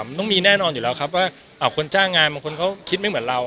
มันต้องมีแน่นอนอยู่แล้วครับว่าคนจ้างงานบางคนเขาคิดไม่เหมือนเรา